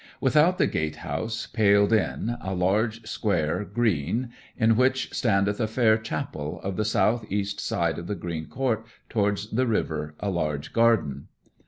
'Without the gatehouse, paled in, a large square greene, in which standeth a faire chappell; of the south east side of the greene court, towards the river, a large garden.